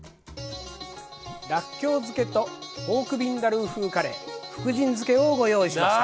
らっきょう漬けとポークビンダルー風カレー福神漬けをご用意しました。